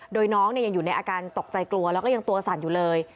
โดยน้องยังอยู่ในอาการตกใจกลัวแล้วก็ยังตัวสั่นอยู่เลย